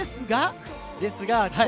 ですが。